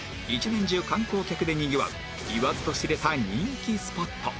１年中観光客でにぎわう言わずと知れた人気スポット